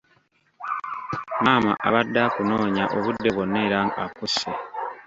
Maama abadde akunoonya obudde bwonna era akusse.